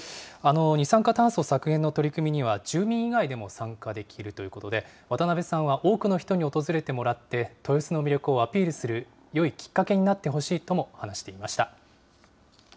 二酸化炭素削減の取り組みには、住民以外でも参加できるということで、渡辺さんは多くの人に訪れてもらって、豊洲の魅力をアピールするよいきっかけになってほしいとも話していました。